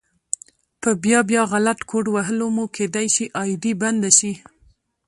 په بيا بيا غلط کوډ وهلو مو کيدی شي آئيډي بنده شي